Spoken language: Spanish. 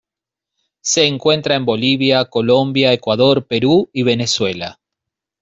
Se encuentra en Bolivia, Colombia, Ecuador, Perú y Venezuela.